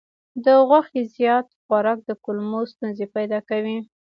د غوښې زیات خوراک د کولمو ستونزې پیدا کوي.